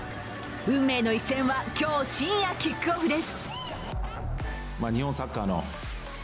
運命の一戦は今日深夜キックオフです。